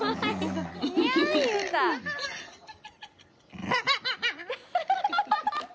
アハハハハ！